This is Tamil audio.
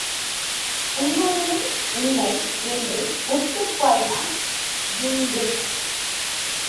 உண்மையிலும் உண்மை என்று ஒத்துப் பாடினான் டுன்டுஷ்.